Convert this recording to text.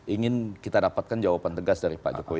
ingin kita dapatkan jawaban tegas dari pak jokowi